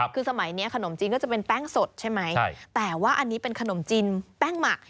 คือสมัยนี้ขนมจีนก็จะเป็นแป้งสดใช่ไหมแต่ว่าอันนี้เป็นขนมจีนแป้งหมัก